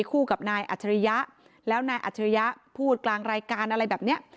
คู่กับนายอัจฉริยะแล้วนายอัจฉริยะพูดกลางรายการอะไรแบบเนี้ย